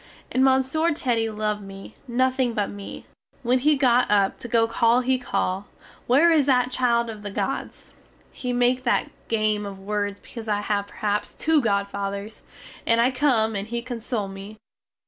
And Monsieur Teddy love me, nothing but me. When he get up to go away he call: "Where is that child of the gods?" (He make that game of words because I have perhaps two godfathers) And I come, and he console me.